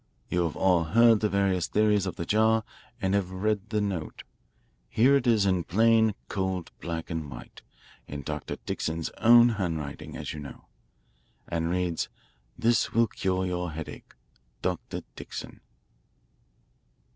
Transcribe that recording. You have all heard the various theories of the jar and have read the note. Here it is in plain, cold black and white in Dr. Dixon's own handwriting, as you know, and reads: 'This will cure your headache. Dr. Dixon.'"